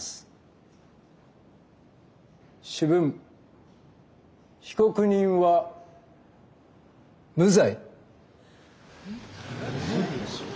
主文被告人は無罪。